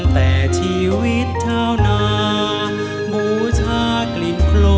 กลิ่นกระแจจันทร์